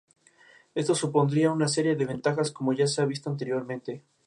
Esto supondría una serie de ventajas como ya se ha visto anteriormente.